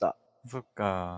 そっか。